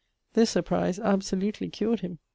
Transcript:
This surprize absolutely cured him.